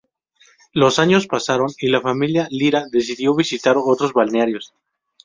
Los años pasaron, y la familia Lira decidió visitar otros balnearios.